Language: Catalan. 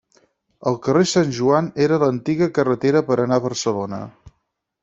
El carrer Sant Joan era l'antiga carretera per anar a Barcelona.